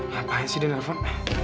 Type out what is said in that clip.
ngapain sih dia nelfon